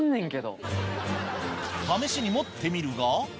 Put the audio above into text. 試しに持ってみるが。